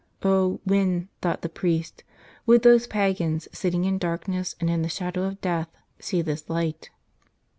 Oh, when, thought the priest, would those pagans, sitting in darkness and in the shadow of death, see this light?